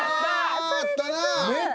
あったな！